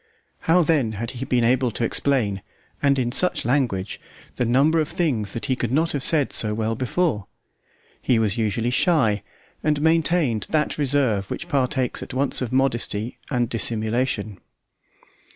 How then had he been able to explain, and in such language, the number of things that he could not have said so well before? He was usually shy, and maintained that reserve which partakes at once of modesty and dissimulation.